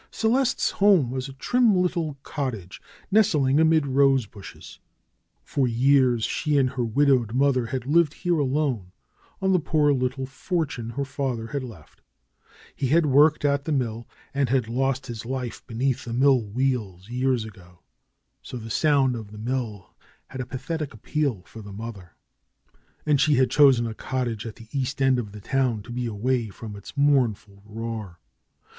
Celeste's home was a trim little cottage nestling amid rose bushes. For years she and her widowed mother had lived here alone, on the poor little fortune her father had left. He had worked at the mill, and had lost his life beneath the mill wheels years ago. So the sound of the mill had a pathetic appeal for the mother. And she had chosen a cottage at the east end of the town, to be away from its mournful roar.